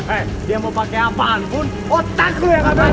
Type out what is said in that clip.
eh dia mau pakai apaan pun otak lo yang akan